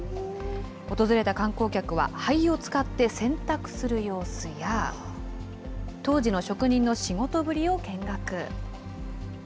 訪れた観光客は灰を使って洗濯する様子や、当時の職人の仕事ぶりを見学。